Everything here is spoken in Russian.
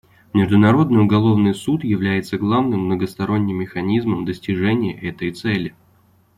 Международный уголовный суд является главным многосторонним механизмом достижения этой цели.